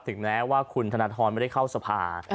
ถึงแม้ว่าคุณธนทรไม่ได้เข้าสภา